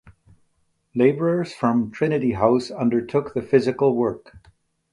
Labourers from Trinity House undertook the physical work.